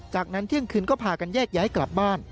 จากนั้นเที่ยงคืนก็พากันแยกย้ายกลับบ้าน